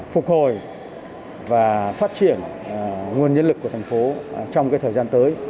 phục hồi và phát triển nguồn nhân lực của thành phố trong thời gian tới